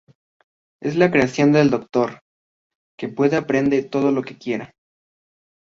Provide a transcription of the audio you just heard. Es la creación del doctor que puede aprende todo lo que quiera.